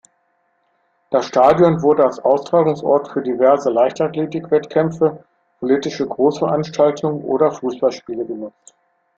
Das Stadion wurde als Austragungsort für diverse Leichtathletik-Wettkämpfe, politische Großveranstaltungen oder Fußballspiele genutzt.